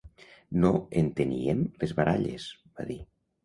No enteníem les baralles, va dir.